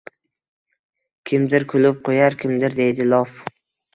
Kimdir kulib qo’yar, kimdir deydi lof